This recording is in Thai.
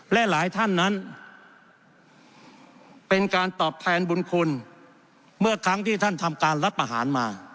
และหลายท่านนั้นเป็นการตอบแทนบุญคุณเมื่อครั้งที่ท่านทำการรัฐประหารมา